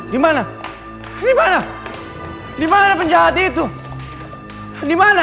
dimana dimana dimana penjahat itu dimana